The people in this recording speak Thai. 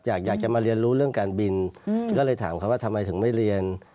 อยากจะมาเรียนรู้เรื่องการบินก็เลยถามเขาว่าทำไมถึงไม่เรียน